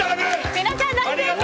皆さん、大正解！